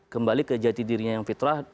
kembali ke jati dirinya yang fitrah